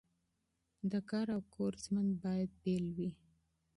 د کار او کور ژوند باید بیل وي.